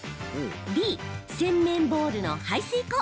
Ｂ・洗面ボウルの排水口。